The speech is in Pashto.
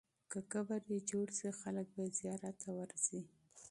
که قبر یې جوړ سي، خلک به یې زیارت ته ورځي.